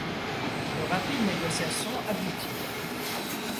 De rapides négociations aboutirent.